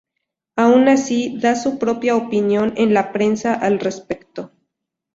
Aun así, da su propia opinión en la prensa al respecto.